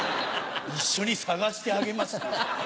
一緒に捜してあげますよ。